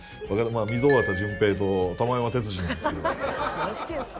溝端淳平と玉山鉄二なんですけど。